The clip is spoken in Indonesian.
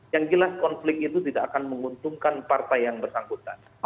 yang jelas konflik itu tidak akan menguntungkan partai yang bersangkutan